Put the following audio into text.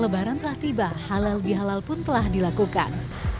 lebaran telah tiba halal bihalal pun telah dilakukan